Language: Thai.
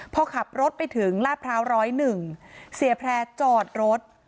พอขับรถไปถึงลาดพร้าว๑๐๑เสียแพร่จอดรถ